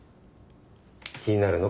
気になるの？